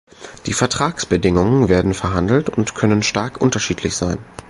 Die Vertragsbedingungen werden verhandelt und können stark unterschiedlich sein.